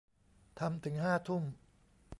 ทำถึงห้าทุ่ม